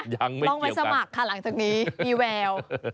ยังใช่ไหมลองไปสมัครค่ะหลังตรงนี้อีแวว